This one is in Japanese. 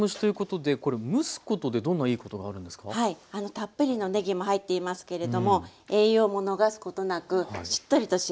たっぷりのねぎも入っていますけれども栄養も逃すことなくしっとりと仕上がります。